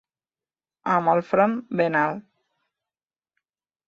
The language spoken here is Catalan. Amb el front ben alt.